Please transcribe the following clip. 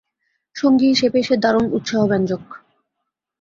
সঙ্গী হিসেবে সে দারুণ উৎসাহব্যঞ্জক।